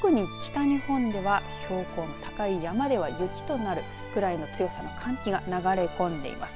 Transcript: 特に北日本では標高の高い山では雪となるぐらいの強さの寒気が流れ込んでいます。